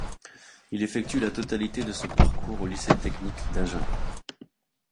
Il effectue la totalité de ce parcours au Lycée technique d’Agen.